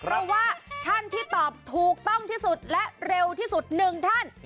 เพราะว่าท่านที่ตอบถูกต้องที่สุดและเร็วที่สุดหนึ่งท่าน